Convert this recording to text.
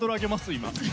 今。